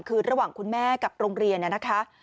คือระหว่างคุณแม่กับโรงเรียนนะคะ